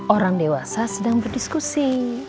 orang dewasa sedang berdiskusi